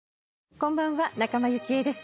こんばんは仲間由紀恵です。